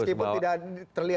meskipun tidak terlihat di publik